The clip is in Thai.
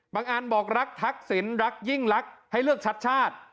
อันบอกรักทักษิณรักยิ่งรักให้เลือกชัดชาติ